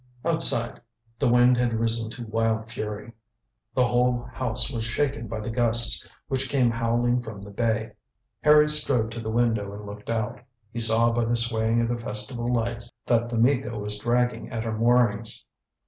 Outside the wind had risen to wild fury. The whole house was shaken by the gusts which came howling from the bay. Harry strode to the window and looked out. He saw by the swaying of the festival lights that The Miko was dragging at her moorings.